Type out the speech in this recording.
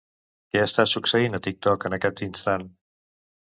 Què està succeint a TikTok en aquest instant?